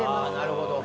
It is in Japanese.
なるほど。